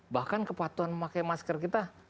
bahkan kepatuhan memakai masker kita